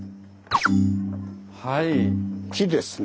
はい。